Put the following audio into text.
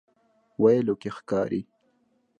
ویلو کې ښکاري.